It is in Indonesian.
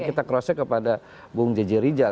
kita kerasa kepada bu jj rizal